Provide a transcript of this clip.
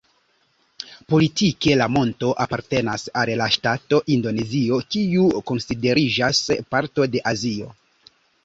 Politike la monto apartenas al la ŝtato Indonezio, kiu konsideriĝas parto de Azio.